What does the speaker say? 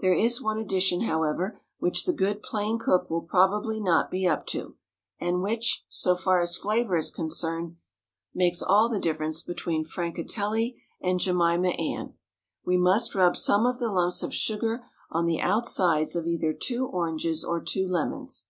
There is one addition, however, which the good plain cook will probably not be up to, and which, so far as flavour is concerned, makes all the difference between Francatelli and "Jemima Ann" we must rub some of the lumps of sugar on the outsides of either two oranges or two lemons.